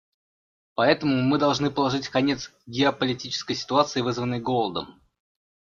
Поэтому мы должны положить конец геополитической ситуации, вызванной голодом.